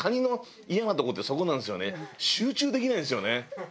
集中できないんですよね。